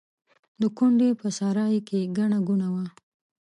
د کونډې په سرای کې ګڼه ګوڼه وه.